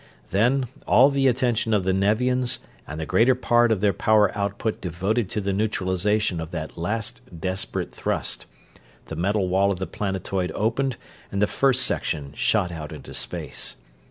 Then, all the attention of the Nevians and the greater part of their power output devoted to the neutralization of that last desperate thrust, the metal wall of the planetoid opened and the First Section shot out into space.